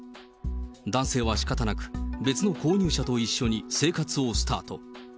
男性はしかたなく、別の購入者と一緒に生活をスタート。